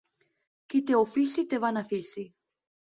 Qui té ofici, té benefici.